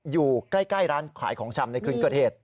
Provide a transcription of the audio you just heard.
อยู่ใกล้ร้านขายของชำในคืนเกิดเหตุ